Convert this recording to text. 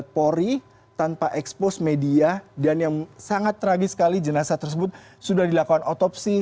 polri tanpa ekspos media dan yang sangat tragis sekali jenazah tersebut sudah dilakukan otopsi